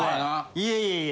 いえいえ。